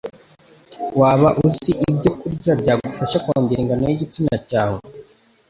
waba uzi ibyo kurya byagufasha kongera ingano y'igitsina cyawe